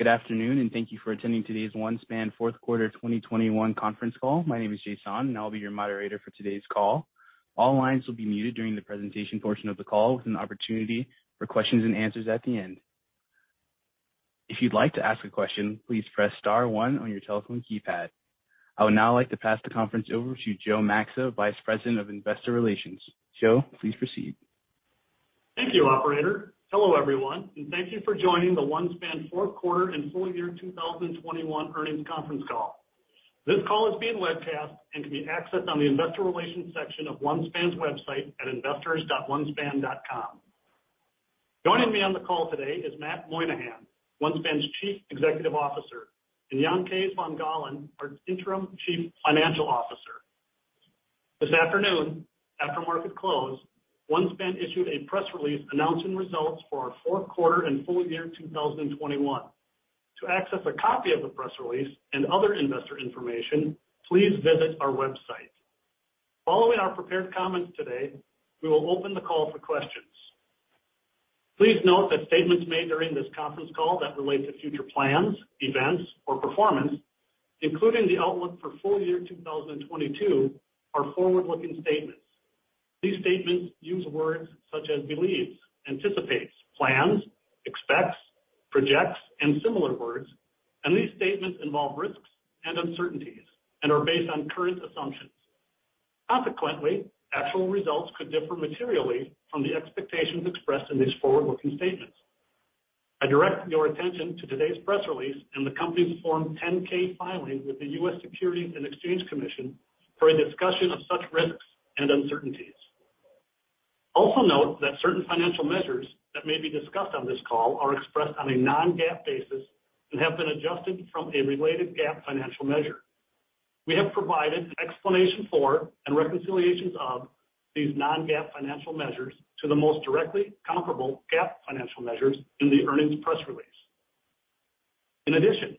Good afternoon, and thank you for attending today's OneSpan Fourth Quarter 2021 Conference Call. My name is Jason, and I'll be your moderator for today's call. All lines will be muted during the presentation portion of the call with an opportunity for questions and answers at the end. If you'd like to ask a question, please press star one on your telephone keypad. I would now like to pass the conference over to Joe Maxa, Vice President of Investor Relations. Joe, please proceed. Thank you, operator. Hello, everyone, and thank you for joining the OneSpan Fourth Quarter and Full Year 2021 Earnings Conference Call. This call is being webcast and can be accessed on the Investor Relations section of OneSpan's website at investors.onespan.com. Joining me on the call today is Matthew Moynahan, OneSpan's Chief Executive Officer, and Jan Kees van Gaalen, our Interim Chief Financial Officer. This afternoon, after market close, OneSpan issued a press release announcing results for our fourth quarter and full year 2021. To access a copy of the press release and other investor information, please visit our website. Following our prepared comments today, we will open the call for questions. Please note that statements made during this conference call that relate to future plans, events or performance, including the outlook for full year 2022 are forward-looking statements. These statements use words such as believes, anticipates, plans, expects, projects, and similar words, and these statements involve risks and uncertainties and are based on current assumptions. Consequently, actual results could differ materially from the expectations expressed in these forward-looking statements. I direct your attention to today's press release and the company's Form 10-K filing with the U.S. Securities and Exchange Commission for a discussion of such risks and uncertainties. Also note that certain financial measures that may be discussed on this call are expressed on a non-GAAP basis and have been adjusted from a related GAAP financial measure. We have provided explanation for and reconciliations of these non-GAAP financial measures to the most directly comparable GAAP financial measures in the earnings press release. In addition,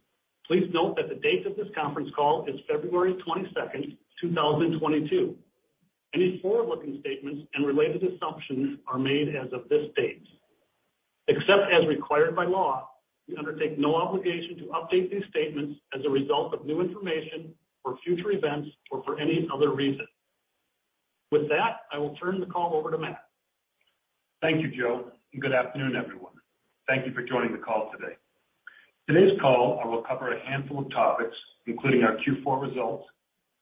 please note that the date of this conference call is February 22, 2022. Any forward-looking statements and related assumptions are made as of this date. Except as required by law, we undertake no obligation to update these statements as a result of new information or future events or for any other reason. With that, I will turn the call over to Matt. Thank you, Joe, and good afternoon, everyone. Thank you for joining the call today. Today's call, I will cover a handful of topics, including our Q4 results,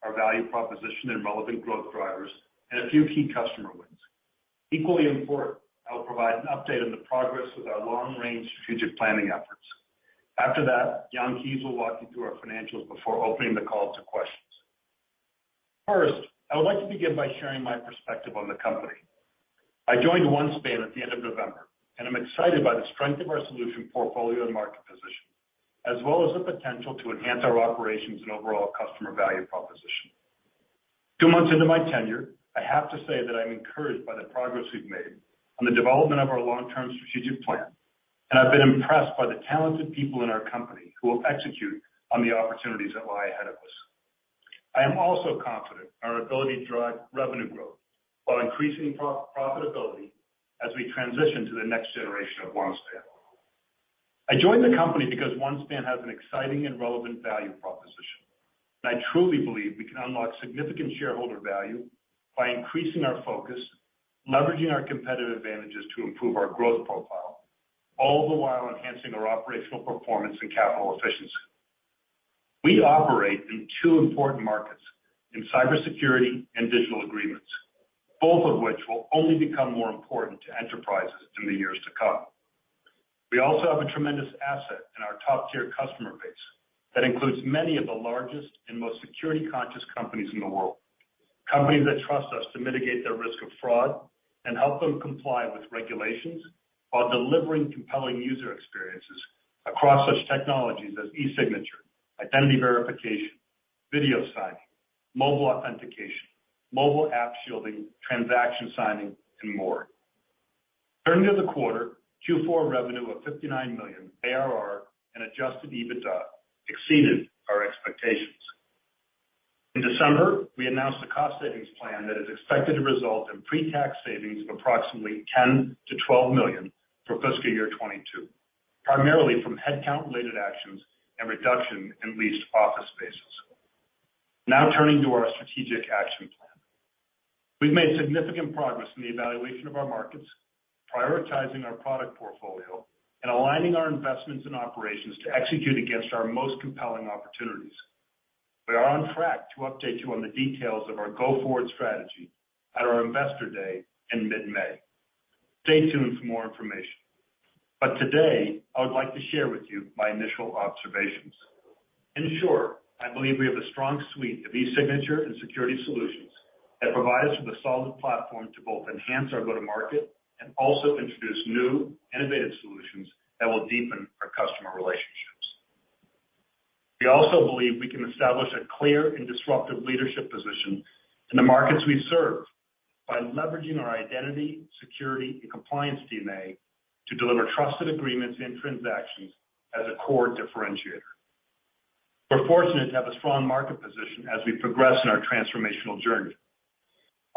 our value proposition and relevant growth drivers, and a few key customer wins. Equally important, I will provide an update on the progress with our long-range strategic planning efforts. After that, Jan Kees will walk you through our financials before opening the call to questions. First, I would like to begin by sharing my perspective on the company. I joined OneSpan at the end of November, and I'm excited by the strength of our solution portfolio and market position, as well as the potential to enhance our operations and overall customer value proposition. Two months into my tenure, I have to say that I'm encouraged by the progress we've made on the development of our long-term strategic plan, and I've been impressed by the talented people in our company who will execute on the opportunities that lie ahead of us. I am also confident in our ability to drive revenue growth while increasing profitability as we transition to the next generation of OneSpan. I joined the company because OneSpan has an exciting and relevant value proposition. I truly believe we can unlock significant shareholder value by increasing our focus, leveraging our competitive advantages to improve our growth profile, all the while enhancing our operational performance and capital efficiency. We operate in two important markets, in cybersecurity and digital agreements, both of which will only become more important to enterprises in the years to come. We also have a tremendous asset in our top-tier customer base that includes many of the largest and most security-conscious companies in the world, companies that trust us to mitigate their risk of fraud and help them comply with regulations while delivering compelling user experiences across such technologies as e-signature, identity verification, video signing, mobile authentication, mobile app shielding, transaction signing, and more. Turning to the quarter, Q4 revenue of $59 million ARR and adjusted EBITDA exceeded our expectations. In December, we announced a cost savings plan that is expected to result in pre-tax savings of approximately $10 million-$12 million for fiscal year 2022, primarily from headcount-related actions and reduction in leased office spaces. Now turning to our strategic action plan. We've made significant progress in the evaluation of our markets, prioritizing our product portfolio, and aligning our investments and operations to execute against our most compelling opportunities. We are on track to update you on the details of our go-forward strategy at our Investor Day in mid-May. Stay tuned for more information. Today, I would like to share with you my initial observations. In short, I believe we have a strong suite of e-signature and security solutions that provide us with a solid platform to both enhance our go-to-market and also introduce new innovative solutions that will deepen our customer relationships. We also believe we can establish a clear and disruptive leadership position in the markets we serve by leveraging our identity, security, and compliance DNA to deliver trusted agreements and transactions as a core differentiator. We're fortunate to have a strong market position as we progress in our transformational journey.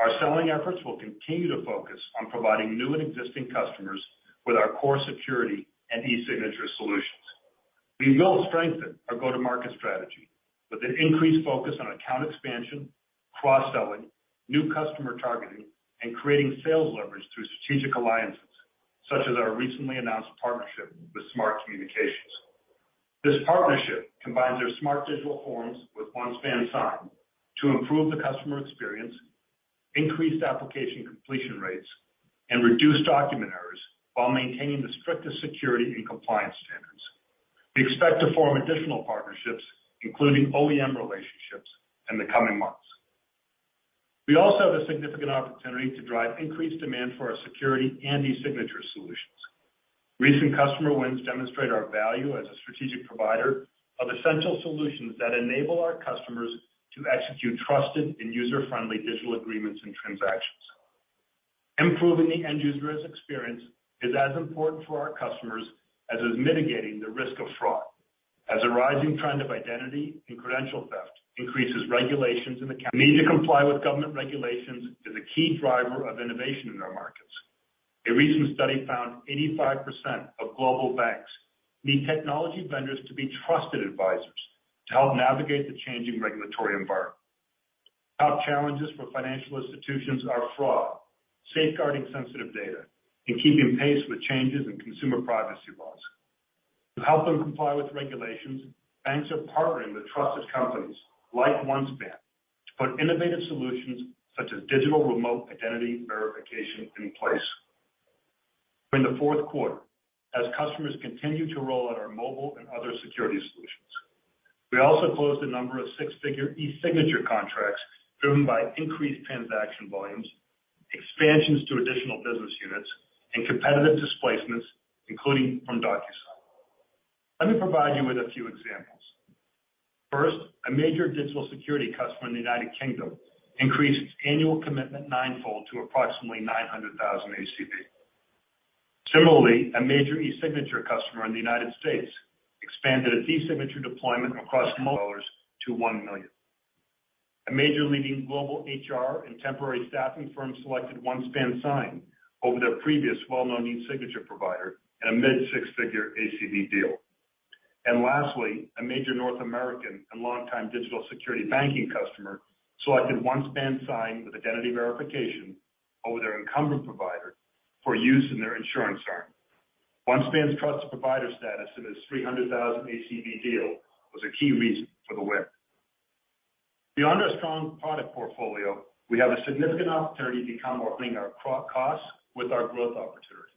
Our selling efforts will continue to focus on providing new and existing customers with our core security and e-signature solutions. We will strengthen our go-to-market strategy with an increased focus on account expansion, cross-selling, new customer targeting, and creating sales leverage through strategic alliances, such as our recently announced partnership with Smart Communications. This partnership combines their smart digital forms with OneSpan Sign to improve the customer experience, increase application completion rates, and reduce document errors while maintaining the strictest security and compliance standards. We expect to form additional partnerships, including OEM relationships, in the coming months. We also have a significant opportunity to drive increased demand for our security and e-signature solutions. Recent customer wins demonstrate our value as a strategic provider of essential solutions that enable our customers to execute trusted and user-friendly digital agreements and transactions. Improving the end user's experience is as important to our customers as is mitigating the risk of fraud. The need to comply with government regulations is a key driver of innovation in our markets. A recent study found 85% of global banks need technology vendors to be trusted advisors to help navigate the changing regulatory environment. Top challenges for financial institutions are fraud, safeguarding sensitive data, and keeping pace with changes in consumer privacy laws. To help them comply with regulations, banks are partnering with trusted companies like OneSpan to put innovative solutions such as digital remote identity verification in place. In the fourth quarter, as customers continued to roll out our mobile and other security solutions, we also closed a number of six-figure e-signature contracts driven by increased transaction volumes, expansions to additional business units, and competitive displacements, including from DocuSign. Let me provide you with a few examples. First, a major digital security customer in the U.K. increased its annual commitment nine-fold to approximately $900,000 ACV. Similarly, a major e-signature customer in the U.S. expanded its e-signature deployment to $1 million. A major leading global HR and temporary staffing firm selected OneSpan Sign over their previous well-known e-signature provider in a mid-six-figure ACV deal. Lastly, a major North American and longtime digital security banking customer selected OneSpan Sign with identity verification over their incumbent provider for use in their insurance arm. OneSpan's trusted provider status in this $300,000 ACV deal was a key reason for the win. Beyond our strong product portfolio, we have a significant opportunity to become leaner, our costs with our growth opportunities.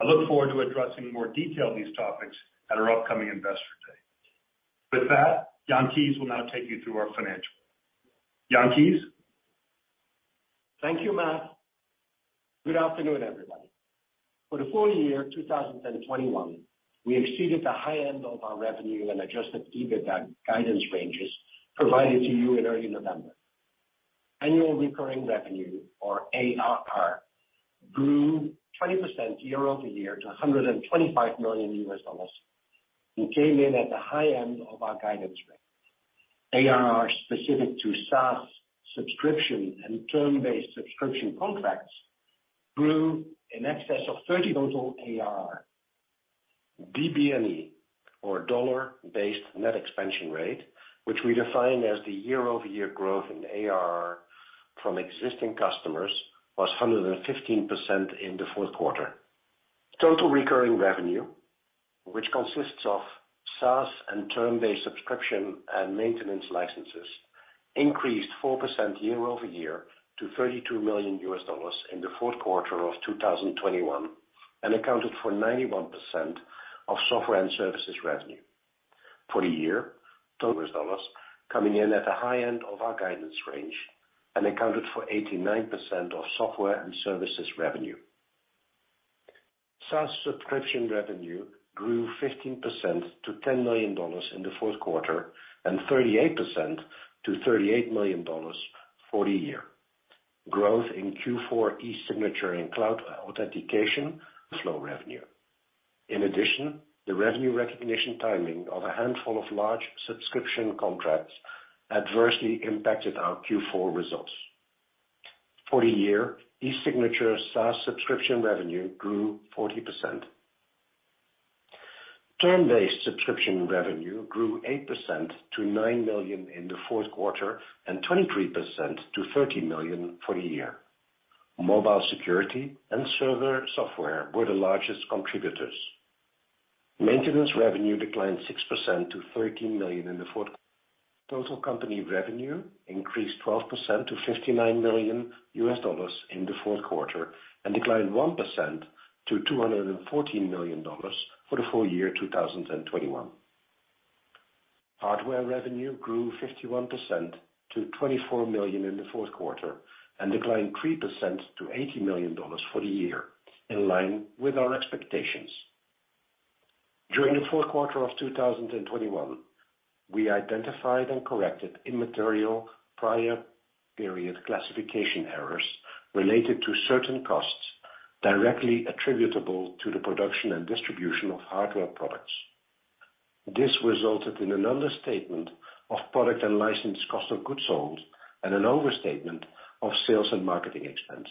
I look forward to addressing more details on these topics at our upcoming investor day. With that, Jan Kees will now take you through our financials. Jan Kees? Thank you, Matt. Good afternoon, everybody. For the full year 2021, we exceeded the high end of our revenue and adjusted EBITDA guidance ranges provided to you in early November. Annual recurring revenue or ARR grew 20% year-over-year to $125 million and came in at the high end of our guidance range. ARR specific to SaaS subscription and term-based subscription contracts grew in excess of 30%. Total ARR DBNE, or dollar-based net expansion rate, which we define as the year-over-year growth in ARR from existing customers, was 115% in the fourth quarter. Total recurring revenue, which consists of SaaS and term-based subscription and maintenance licenses, increased 4% year-over-year to $32 million in the fourth quarter of 2021, and accounted for 91% of software and services revenue. For the year, U.S. dollars, coming in at the high end of our guidance range and accounted for 89% of software and services revenue. SaaS subscription revenue grew 15% to $10 million in the fourth quarter, and 38% to $38 million for the year. Growth in Q4 e-signature and cloud authentication flow revenue. In addition, the revenue recognition timing of a handful of large subscription contracts adversely impacted our Q4 results. For the year, e-signature SaaS subscription revenue grew 40%. Term-based subscription revenue grew 8% to $9 million in the fourth quarter, and 23% to $30 million for the year. Mobile security and server software were the largest contributors. Maintenance revenue declined 6% to $13 million in the fourth quarter. Total company revenue increased 12% to $59 million in the fourth quarter, and declined 1% to $214 million for the full year 2021. Hardware revenue grew 51% to $24 million in the fourth quarter, and declined 3% to $80 million for the year, in line with our expectations. During the fourth quarter of 2021, we identified and corrected immaterial prior period classification errors related to certain costs directly attributable to the production and distribution of hardware products. This resulted in an understatement of product and license cost of goods sold and an overstatement of sales and marketing expense.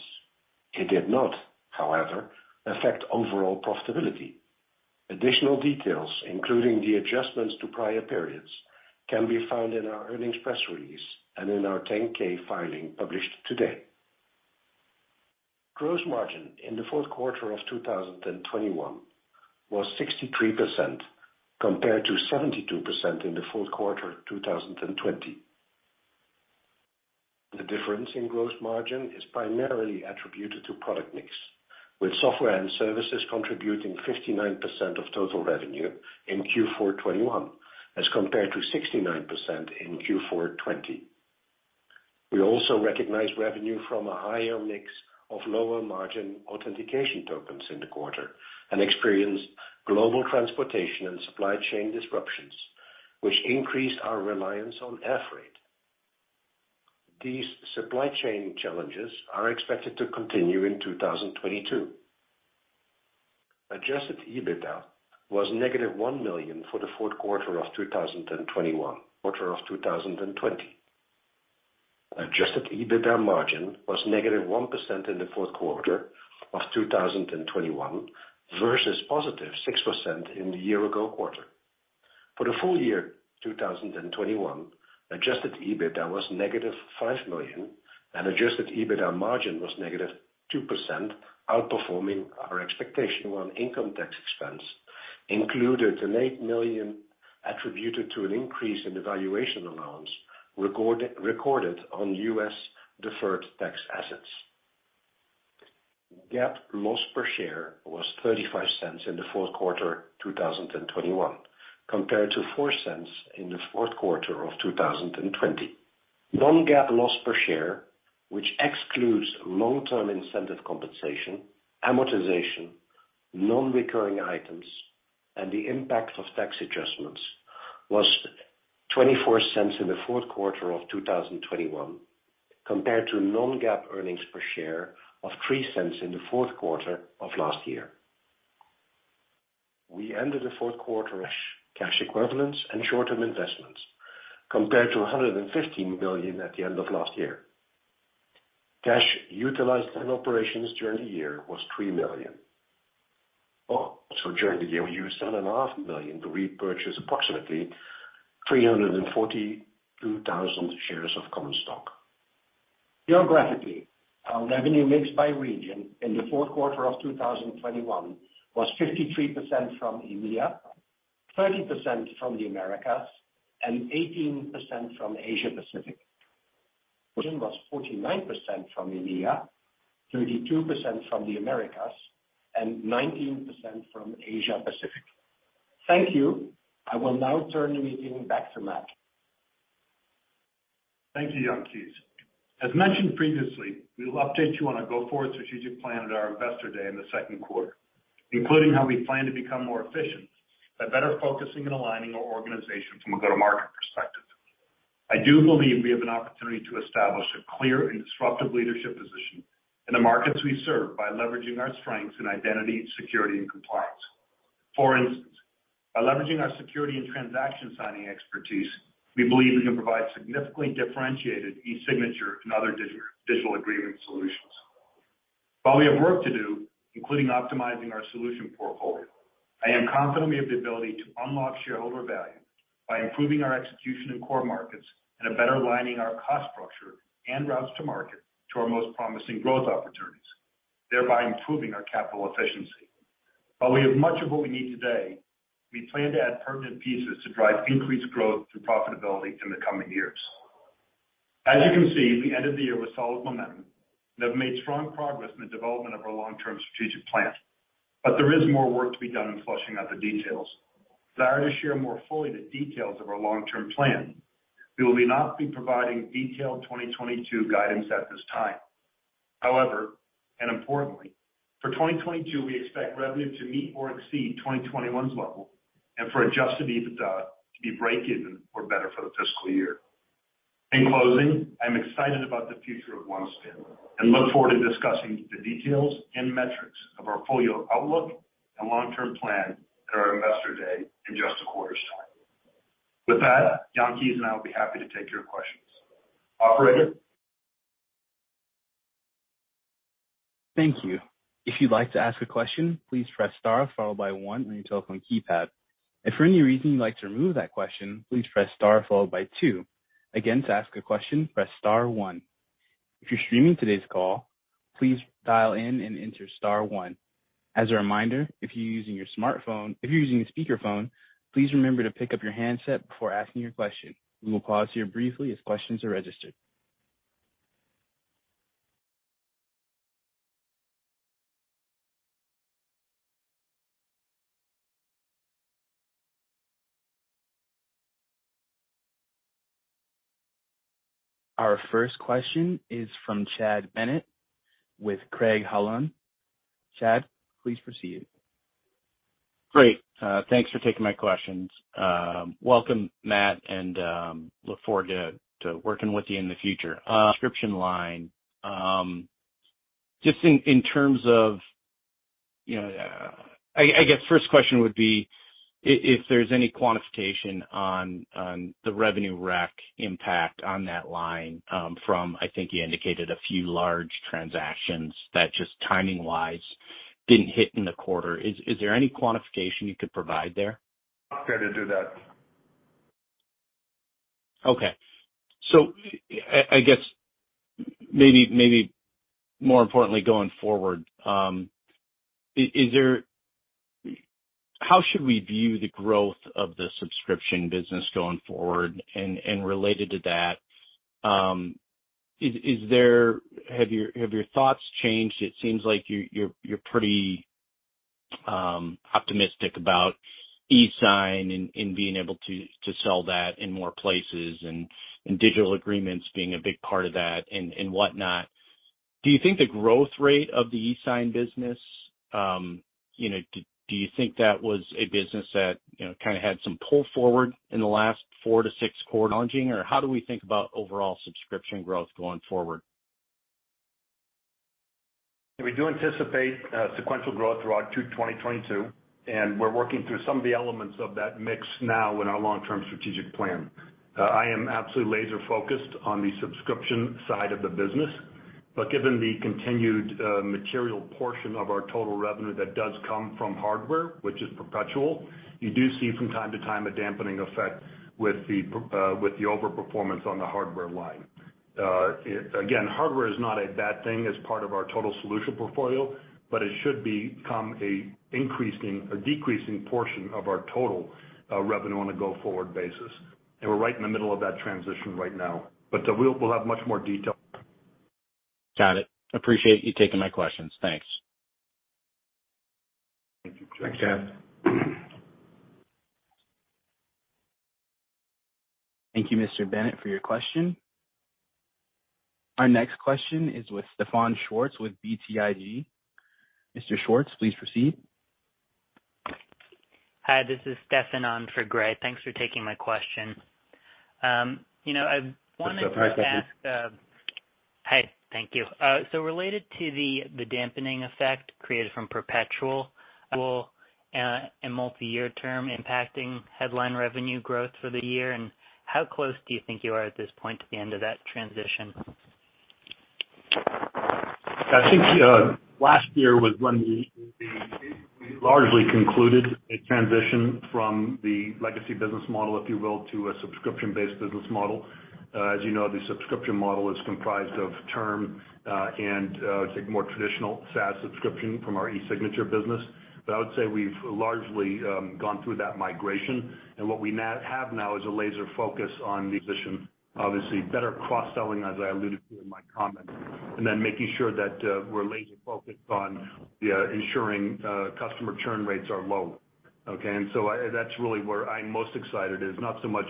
It did not, however, affect overall profitability. Additional details, including the adjustments to prior periods, can be found in our earnings press release and in our 10-K filing published today. Gross margin in the fourth quarter of 2021 was 63%, compared to 72% in the fourth quarter 2020. The difference in gross margin is primarily attributed to product mix, with software and services contributing 59% of total revenue in Q4 2021, as compared to 69% in Q4 2020. We also recognized revenue from a higher mix of lower margin authentication tokens in the quarter and experienced global transportation and supply chain disruptions, which increased our reliance on air freight. These supply chain challenges are expected to continue in 2022. Adjusted EBITDA was -$1 million for the fourth quarter of 2021, quarter of 2020. Adjusted EBITDA margin was -1% in the fourth quarter of 2021 versus 6% in the year ago quarter. For the full year 2021, adjusted EBITDA was -$5 million and adjusted EBITDA margin was -2%, outperforming our expectation on income tax expense, which included an $8 million attributed to an increase in the valuation allowance recorded on U.S. deferred tax assets. GAAP loss per share was -$0.35 in the fourth quarter 2021 compared to $0.04 in the fourth quarter of 2020. Non-GAAP loss per share, which excludes long-term incentive compensation, amortization, non-recurring items, and the impact of tax adjustments, was -$0.24 in the fourth quarter of 2021 compared to non-GAAP earnings per share of $0.03 in the fourth quarter of last year. We ended the fourth quarter cash equivalents and short-term investments compared to $115 million at the end of last year. Cash utilized in operations during the year was $3 million. Also, during the year, we used $7.5 million to repurchase approximately 342,000 shares of common stock. Geographically, our revenue mix by region in the fourth quarter of 2021 was 53% from EMEA, 30% from the Americas, and 18% from Asia Pacific. It was 49% from EMEA, 32% from the Americas, and 19% from Asia Pacific. Thank you. I will now turn the meeting back to Matt. Thank you, Jan Kees. As mentioned previously, we will update you on our go-forward strategic plan at our Investor Day in the second quarter, including how we plan to become more efficient by better focusing and aligning our organization from a go-to-market perspective. I do believe we have an opportunity to establish a clear and disruptive leadership position in the markets we serve by leveraging our strengths in identity, security, and compliance. For instance, by leveraging our security and transaction signing expertise, we believe we can provide significantly differentiated e-signature and other digital agreement solutions. While we have work to do, including optimizing our solution portfolio, I am confident we have the ability to unlock shareholder value by improving our execution in core markets and better aligning our cost structure and routes to market to our most promising growth opportunities, thereby improving our capital efficiency. While we have much of what we need today, we plan to add pertinent pieces to drive increased growth through profitability in the coming years. As you can see, we ended the year with solid momentum, and have made strong progress in the development of our long-term strategic plan. There is more work to be done in fleshing out the details. Desiring to share more fully the details of our long-term plan, we will not be providing detailed 2022 guidance at this time. However, and importantly, for 2022, we expect revenue to meet or exceed 2021's level, and for adjusted EBITDA to be break even or better for the fiscal year. In closing, I'm excited about the future of OneSpan and look forward to discussing the details and metrics of our full year outlook and long-term plan at our Investor Day in just a quarter's time. With that, Jan Kees and I will be happy to take your questions. Operator? Thank you. If you'd like to ask a question, please press star followed by one on your telephone keypad. If for any reason you'd like to remove that question, please press star followed by two. Again, to ask a question, press star one. If you're streaming today's call, please dial in and enter star one. As a reminder, if you're using a speakerphone, please remember to pick up your handset before asking your question. We will pause here briefly as questions are registered. Our first question is from Chad Bennett with Craig-Hallum Capital Group. Chad, please proceed. Great. Thanks for taking my questions. Welcome Matt, and look forward to working with you in the future. Subscription line. Just in terms of, you know, I guess first question would be if there's any quantification on the recurring revenue impact on that line, from I think you indicated a few large transactions that just timing wise didn't hit in the quarter. Is there any quantification you could provide there? Not gonna do that. Okay. I guess more importantly going forward, how should we view the growth of the subscription business going forward? Related to that, have your thoughts changed? It seems like you're pretty optimistic about e-sign and being able to sell that in more places and digital agreements being a big part of that and whatnot. Do you think the growth rate of the e-sign business, you know, do you think that was a business that, you know, kinda had some pull forward in the last 4-6 quarters challenging? Or how do we think about overall subscription growth going forward? We do anticipate sequential growth throughout 2022, and we're working through some of the elements of that mix now in our long-term strategic plan. I am absolutely laser focused on the subscription side of the business. Given the continued material portion of our total revenue that does come from hardware, which is perpetual, you do see from time to time a dampening effect with the overperformance on the hardware line. Again, hardware is not a bad thing as part of our total solution portfolio, but it should become a increasing or decreasing portion of our total revenue on a go-forward basis. We're right in the middle of that transition right now. We'll have much more detail. Got it. Appreciate you taking my questions. Thanks. Thank you. Thank you, Mr. Bennett, for your question. Our next question is with Stefan Schwarz with BTIG. Mr. Schwarz, please proceed. Hi, this is Stefan on for Gray. Thanks for taking my question. You know, I wanted to ask, Hi, Stefan. Hi. Thank you. Related to the dampening effect created from perpetual and multi-year term impacting headline revenue growth for the year, and how close do you think you are at this point to the end of that transition? I think last year was when we largely concluded a transition from the legacy business model, if you will, to a subscription-based business model. As you know, the subscription model is comprised of term and I'd say more traditional SaaS subscription from our e-signature business. I would say we've largely gone through that migration, and what we have now is a laser focus on the position, obviously better cross-selling, as I alluded to in my comments, and then making sure that we're laser focused on ensuring customer churn rates are low. Okay. That's really where I'm most excited, is not so much,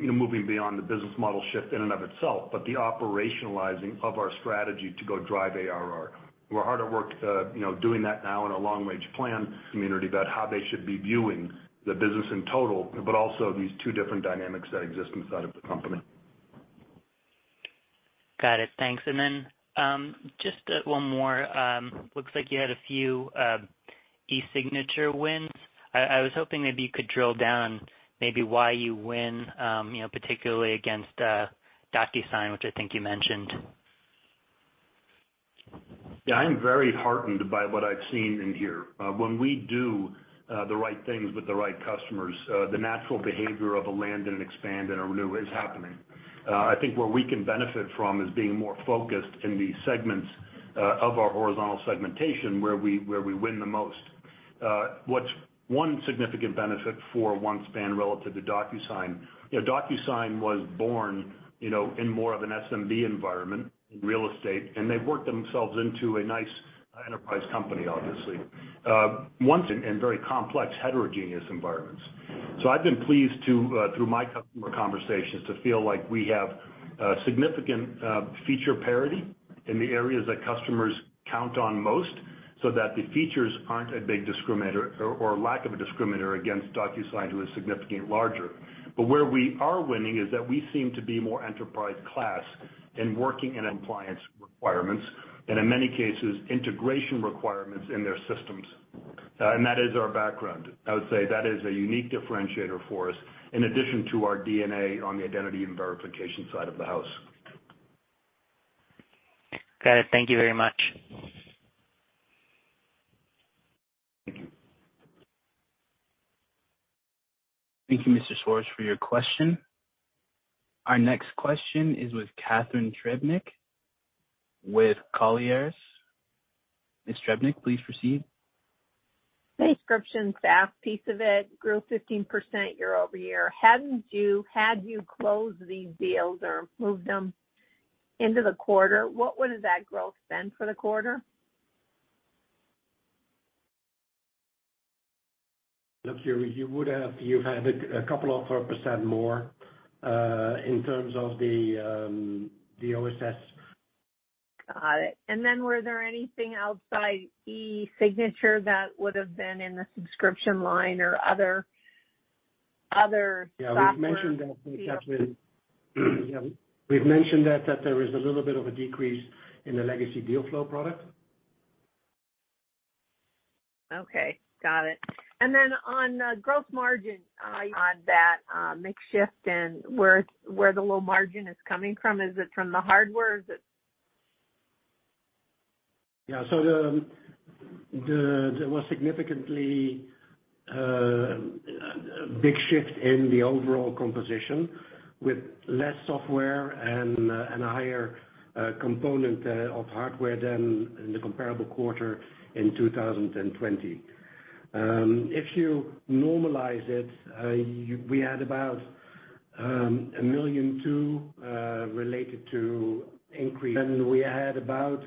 you know, moving beyond the business model shift in and of itself, but the operationalizing of our strategy to go drive ARR. We're hard at work, you know, doing that now in our long range plan community about how they should be viewing the business in total, but also these two different dynamics that exist inside of the company. Got it. Thanks. Just one more. Looks like you had a few e-signature wins. I was hoping maybe you could drill down maybe why you win, you know, particularly against DocuSign, which I think you mentioned. Yeah, I am very heartened by what I've seen in here. When we do the right things with the right customers, the natural behavior of a land and expand and a renew is happening. I think where we can benefit from is being more focused in the segments of our horizontal segmentation, where we win the most. What's one significant benefit for OneSpan relative to DocuSign? You know, DocuSign was born, you know, in more of an SMB environment in real estate, and they've worked themselves into a nice enterprise company, obviously. OneSpan and very complex heterogeneous environments. I've been pleased to, through my customer conversations, to feel like we have significant feature parity in the areas that customers count on most, so that the features aren't a big discriminator or lack of a discriminator against DocuSign, who is significantly larger. Where we are winning is that we seem to be more enterprise class in working in compliance requirements and in many cases, integration requirements in their systems. That is our background. I would say that is a unique differentiator for us in addition to our DNA on the identity and verification side of the house. Got it. Thank you very much. Thank you. Thank you, Mr. Schwarz, for your question. Our next question is with Catharine Trebnick, with Colliers. Ms. Trebnick, please proceed. The subscription SaaS piece of it grew 15% year-over-year. Had you closed these deals or moved them into the quarter, what would that growth been for the quarter? Look, you would have, you'd have a couple other percent more in terms of the OSS Got it. Were there anything outside e-signature that would have been in the subscription line or other software- Yeah, we've mentioned that there is a little bit of a decrease in the legacy deal flow product. Okay, got it. On gross margin on that, mix shift and where the low margin is coming from. Is it from the hardware or is it... There was significantly a big shift in the overall composition with less software and a higher component of hardware than in the comparable quarter in 2020. If you normalize it, we had about $1.2 million related to increase. Then we had about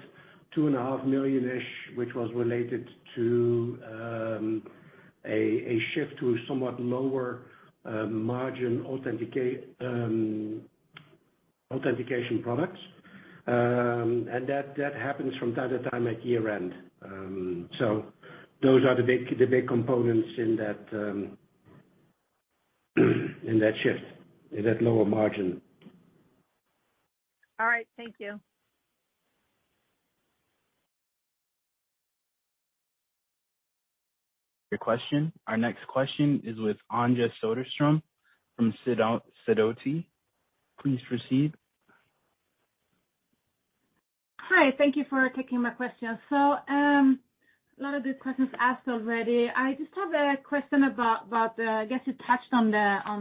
$2.5 million-ish, which was related to a shift to a somewhat lower margin authentication products. That happens from time to time at year-end. Those are the big components in that shift in that lower margin. All right. Thank you. Your question. Our next question is with Anja Soderstrom from Sidoti. Please proceed. Hi. Thank you for taking my question. A lot of these questions have been asked already. I just have a question about, I guess you touched on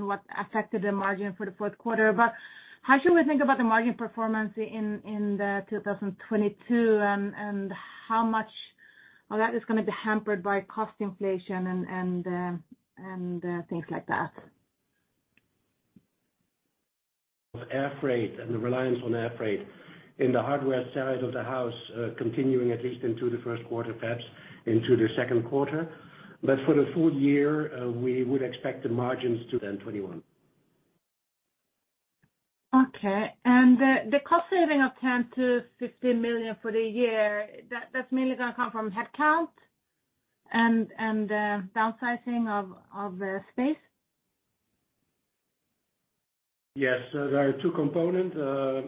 what affected the margin for the fourth quarter, but how should we think about the margin performance in 2022 and how much of that is gonna be hampered by cost inflation and things like that? Of air freight and the reliance on air freight in the hardware side of the house, continuing at least into the first quarter, perhaps into the second quarter. For the full year, we would expect the margins to 21%. Okay. The cost saving of $10 million-$15 million for the year, that's mainly gonna come from headcount and downsizing of the space? Yes. There are two components. A,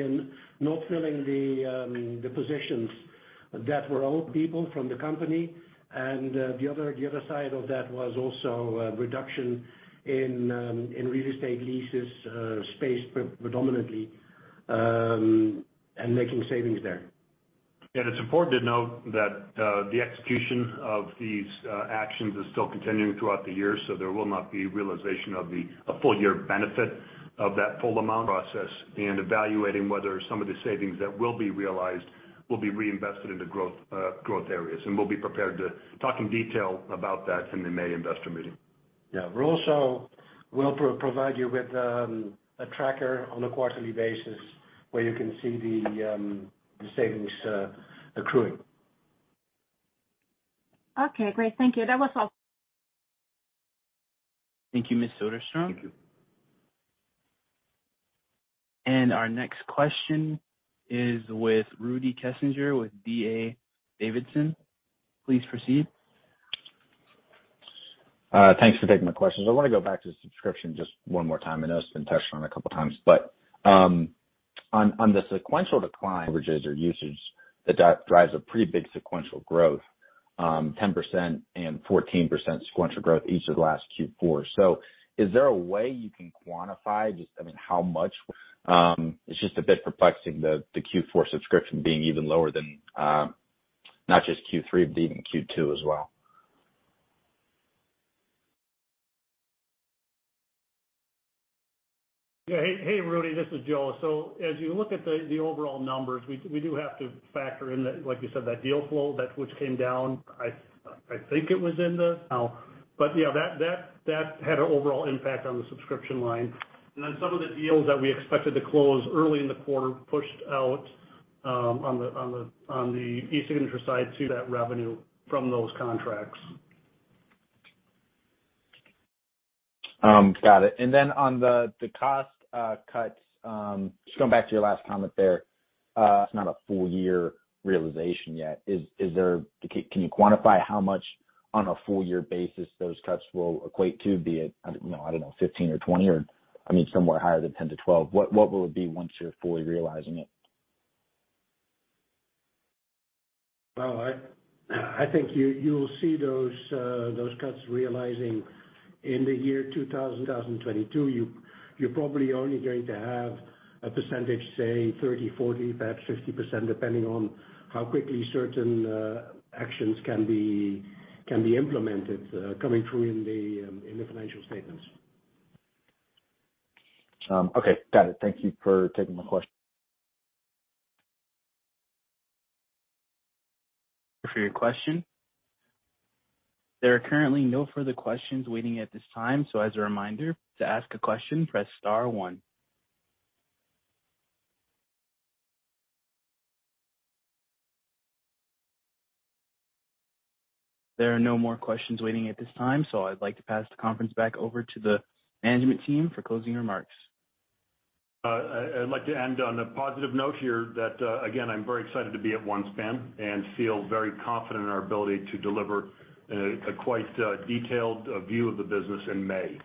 in not filling the positions that were old people from the company. The other side of that was also reduction in real estate leases, space predominantly, and making savings there. It's important to note that the execution of these actions is still continuing throughout the year, so there will not be realization of a full year benefit of that full amount process and evaluating whether some of the savings that will be realized will be reinvested into growth areas. We'll be prepared to talk in detail about that in the May investor meeting. Yeah. We'll provide you with a tracker on a quarterly basis where you can see the savings accruing. Okay, great. Thank you. That was all. Thank you, Ms. Soderstrom. Thank you. Our next question is with Rudy Kessinger with D.A. Davidson. Please proceed. Thanks for taking my questions. I wanna go back to subscription just one more time. I know it's been touched on a couple times, but on the sequential decline, averages or usage, that drives a pretty big sequential growth, 10% and 14% sequential growth each of the last Q4s. Is there a way you can quantify just, I mean, how much? It's just a bit perplexing, the Q4 subscription being even lower than, not just Q3, but even Q2 as well. Yeah. Hey, Rudy, this is Joe. As you look at the overall numbers, we do have to factor in, like you said, that deal flow which came down. Yeah, that had an overall impact on the subscription line. Some of the deals that we expected to close early in the quarter pushed out on the e-signature side to that revenue from those contracts. Got it. Then on the cost cuts, just going back to your last comment there, it's not a full year realization yet. Can you quantify how much on a full year basis those cuts will equate to, be it I don't know, 15 or 20 or, I mean, somewhere higher than 10-12? What will it be once you're fully realizing it? Well, I think you'll see those cuts realizing in the year 2022. You're probably only going to have a percentage, say 30, 40, perhaps 50%, depending on how quickly certain actions can be implemented, coming through in the financial statements. Okay. Got it. Thank you for taking my question. For your question. There are currently no further questions waiting at this time. As a reminder, to ask a question, press star one. There are no more questions waiting at this time, so I'd like to pass the conference back over to the management team for closing remarks. I'd like to end on a positive note here that, again, I'm very excited to be at OneSpan and feel very confident in our ability to deliver a quite detailed view of the business in May.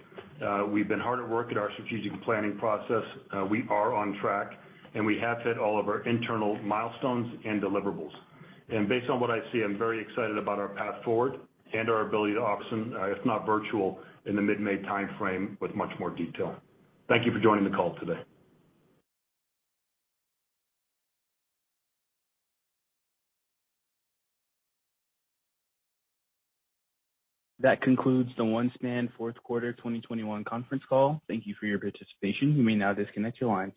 We've been hard at work at our strategic planning process. We are on track, and we have hit all of our internal milestones and deliverables. Based on what I see, I'm very excited about our path forward and our ability to action, if not virtual, in the mid-May timeframe with much more detail. Thank you for joining the call today. That concludes the OneSpan Fourth Quarter 2021 Conference Call. Thank you for your participation. You may now disconnect your lines.